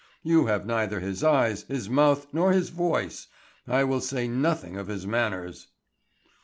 You have neither his eyes, his mouth, nor his voice, I will say nothing of his manners."